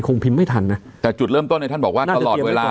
พิมพ์ไม่ทันนะแต่จุดเริ่มต้นเนี่ยท่านบอกว่าตลอดเวลา